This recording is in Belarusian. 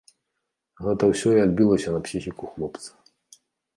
Гэта ўсё і адбілася на псіхіку хлопца.